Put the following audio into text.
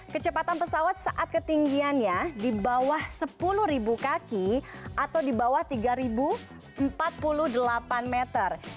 kecepatan pesawat saat ketinggiannya di bawah sepuluh kaki atau di bawah tiga empat puluh delapan meter